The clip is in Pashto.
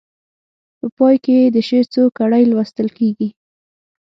په پای کې یې د شعر څو کړۍ لوستل کیږي.